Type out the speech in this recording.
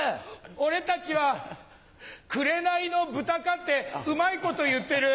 俺たちはクレナイの豚かってうまいこと言ってる。